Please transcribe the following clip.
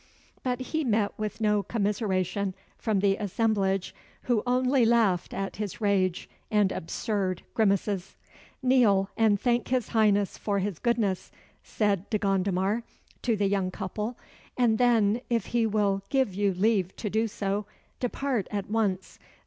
But he met with no commiseration from the assemblage, who only laughed at his rage and absurd grimaces. "Kneel and thank his Highness for his goodness," said De Gondomar to the young couple; "and then, if he will give you leave to do so, depart at once.